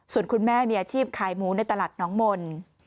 ส่วนคุณแม่มีอาชีพขายหมูในตลาดน้องมนต์